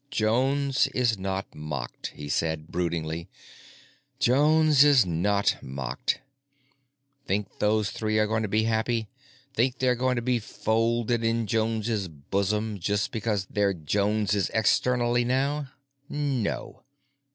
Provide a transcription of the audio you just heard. "Jones is not mocked," he said broodingly. "Jones is not mocked. Think those three are going to be happy? Think they're going to be folded in Jones's bosom just because they're Joneses externally now? No.